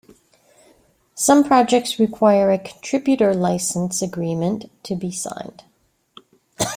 Some projects require a Contributor License Agreement to be signed.